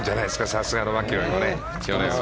さすがのマキロイも、去年は。